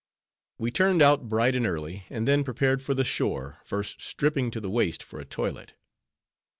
We turned out bright and early, and then prepared for the shore, first stripping to the waist, for a toilet.